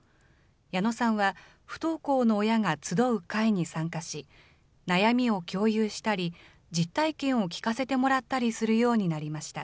矢野さんは不登校の親が集う会に参加し、悩みを共有したり、実体験を聞かせてもらったりするようになりました。